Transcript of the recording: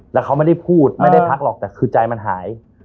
แล้วเขาไม่ได้พูดไม่ได้พักหรอกแต่คือใจมันหาย